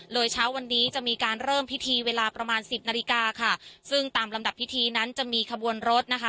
เช้าวันนี้จะมีการเริ่มพิธีเวลาประมาณสิบนาฬิกาค่ะซึ่งตามลำดับพิธีนั้นจะมีขบวนรถนะคะ